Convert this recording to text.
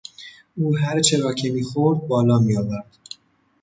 او هرچه را که میخورد بالا میآورد.